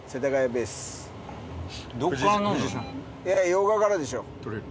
用賀からでしょ。